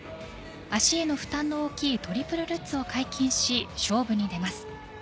足への負担の大きいトリプルルッツを解禁し勝負に出ます。